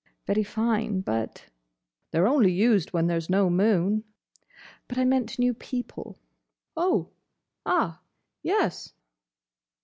"Very fine, but—" "They 're only used when there's no moon." "But I meant new people!" "Oh! Ah! Yes!